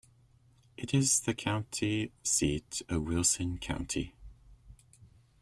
It is the county seat of Wilson County.